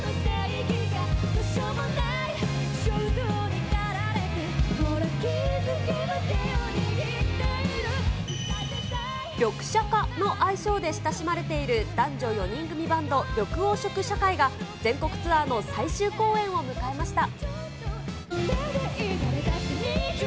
リョクシャカの愛称で親しまれている男女４人組バンド、緑黄色社会が全国ツアーの最終公演を迎えました。